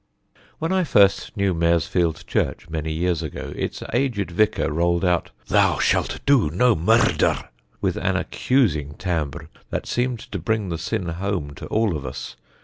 When I first knew Maresfield church, many years ago, its aged vicar rolled out "Thou shalt do no mur r r der" with an accusing timbre that seemed to bring the sin home to all of us.